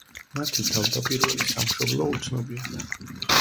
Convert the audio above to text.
მათი თავდაპირველი სამშობლო უცნობია.